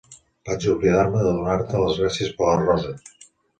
Vaig oblidar-me de donar-te les gràcies per les roses.